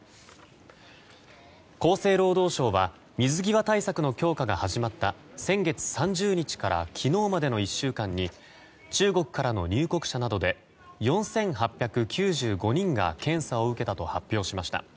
厚生労働省は水際対策の強化が始まった先月３０日から昨日までの１週間に中国からの入国者などで４８９５人が検査を受けたと発表しました。